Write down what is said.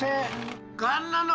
がんなの！